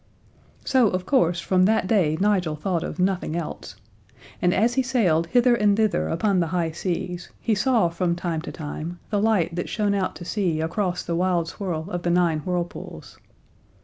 So, of course, from that day Nigel thought of nothing else. And as he sailed hither and thither upon the high seas he saw from time to time the light that shone out to sea across the wild swirl of the Nine Whirlpools.